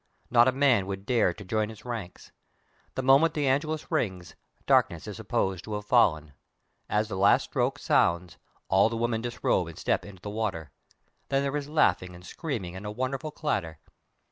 Not a man would dare to join its ranks. The moment the Angelus rings, darkness is supposed to have fallen. As the last stroke sounds, all the women disrobe and step into the water. Then there is laughing and screaming and a wonderful clatter.